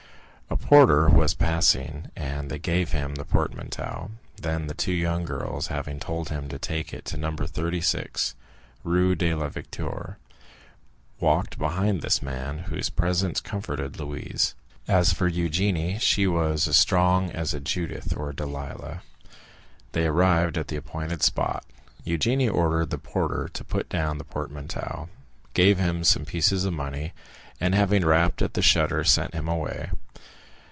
A porter was passing and they gave him the portmanteau; then the two young girls, having told him to take it to No. 36, Rue de la Victoire, walked behind this man, whose presence comforted Louise. As for Eugénie, she was as strong as a Judith or a Delilah. They arrived at the appointed spot. Eugénie ordered the porter to put down the portmanteau, gave him some pieces of money, and having rapped at the shutter sent him away.